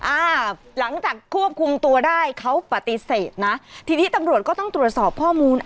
อ่าหลังจากควบคุมตัวได้เขาปฏิเสธนะทีนี้ตำรวจก็ต้องตรวจสอบข้อมูล